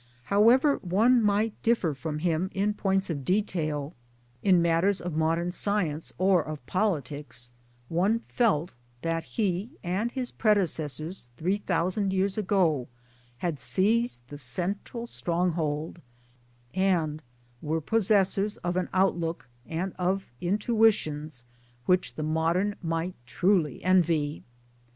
How ever one might differ from him in points of detail, 144 MY DAYS AND DREAMS in matters of modern science or of politics, one felt that he, and his predecessors three thousand years ago, had seized the central stronghold, and were possessors of an outlook and of intuitions which the modern might truly envy.